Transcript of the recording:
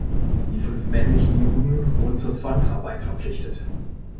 Die fünf männlichen Juden wurden zur Zwangsarbeit verpflichtet.